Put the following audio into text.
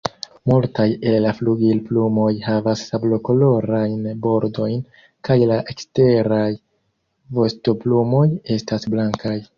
Multaj el la flugilplumoj havas sablokolorajn bordojn, kaj la eksteraj vostoplumoj estas blankaj.